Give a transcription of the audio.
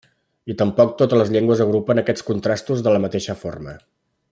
I tampoc totes les llengües agrupen aquests contrastos de la mateixa forma.